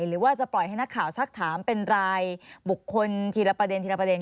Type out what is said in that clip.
หรือว่าจะปล่อยให้นักข่าวสักถามเป็นรายบุคคลทีละประเด็นทีละประเด็น